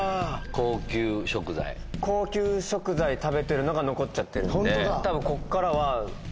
高級食材食べてるのが残っちゃってるんで。